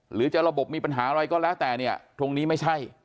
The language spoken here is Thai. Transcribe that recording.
หรือจะระบบมีปัญหาอะไรก็แล้วแต่เนี่ยตรงนี้ไม่ใช่